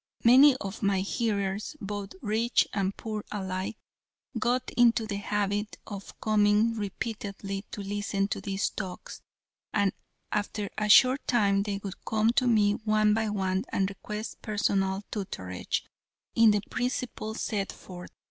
Many of my hearers, both rich and poor alike, got into the habit of coming repeatedly to listen to these talks, and after a short time they would come to me one by one and request personal tutorage in the principles set forth.